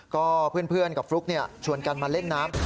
ก็เพื่อนกับฟลุ๊กชวนกันมาเล่นน้ำ